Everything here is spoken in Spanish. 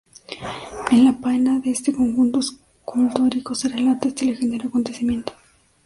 En la peana de este conjunto escultórico se relata este legendario acontecimiento.